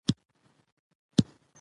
نارینه و سرونه پر میدان ایښي وو.